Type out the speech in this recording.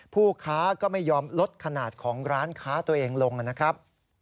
ผู้ค้าก็ไม่ยอมลดขนาดของร้านค้าตัวเองลงนะครับ